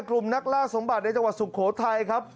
กลุ่มนักล่าสมบัติในจังหวัดสุโขทัยครับ